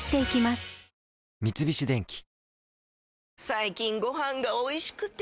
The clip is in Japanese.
最近ご飯がおいしくて！